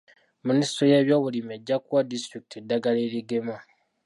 Minisitule y'ebyobulimi ejja kuwa disitulikiti eddagala erigema.